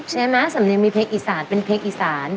ใช่มาสำเร็จมีเพลงอีซันเป็นเพลงอีซัน